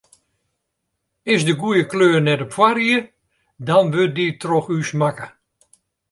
Is de goede kleur net op foarried, dan wurdt dy troch ús makke.